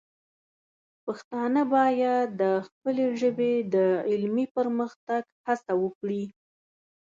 پښتانه باید د خپلې ژبې د علمي پرمختګ هڅه وکړي.